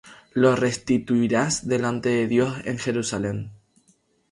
los restituirás delante de Dios en Jerusalem.